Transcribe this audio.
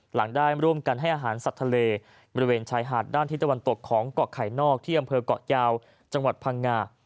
หลังได้ร่วมกันให้อาหารสัตว์ทะเลบริเวณชายหาดด้านที่ตะวันตกของเกาะไข่นอกที่อำเภอกเกาะยาวจังหวัดพังงา